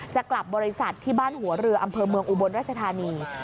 จะกลับบริษัทที่บ้านหัวเรืออำเภอเมืองอุบลราชธานี